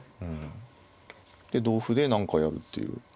で同歩で何かやるっていう。